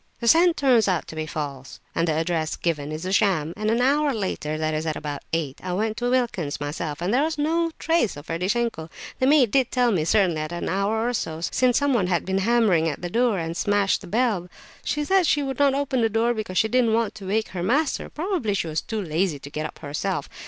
The scent turns out to be false, and the address given is a sham. An hour after—that is at about eight, I went to Wilkin's myself, and there was no trace of Ferdishenko. The maid did tell me, certainly, that an hour or so since someone had been hammering at the door, and had smashed the bell; she said she would not open the door because she didn't want to wake her master; probably she was too lazy to get up herself.